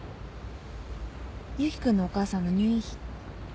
裕希君のお母さんの入院費。